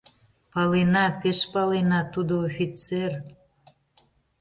— Палена, пеш палена, тудо — офицер.